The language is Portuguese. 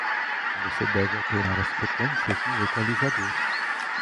você deve alterar as frequências no equalizador